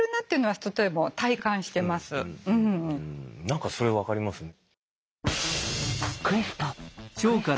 何かそれ分かりますね。